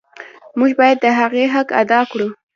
موږ باید د هغې حق ادا کړو.